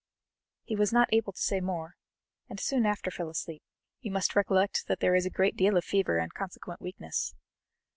He was not able to say more and soon after fell asleep; you must recollect that there is a great deal of fever, and consequent weakness.